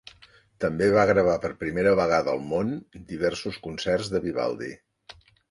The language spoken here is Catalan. També va gravar per primera vegada al món diversos concerts de Vivaldi.